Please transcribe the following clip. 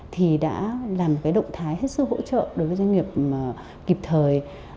thì đã làm cái động thái hết sức hỗ trợ đối với doanh nghiệp kịp thời